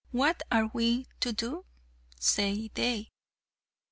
what are we to do?" said they.